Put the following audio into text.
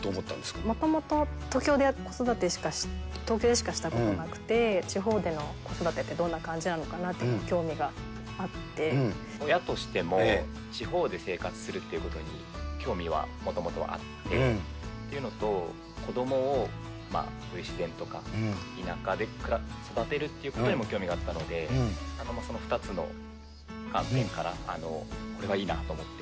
もともと東京でしか子育て、東京でしかしたことなくて、地方での子育てってどんな感じな親としても、地方で生活するっていうことに興味はもともとあって、っていうのと、子どもをこういう自然とか田舎で育てるということにも興味があったので、その２つの観点からこれはいいなと思って。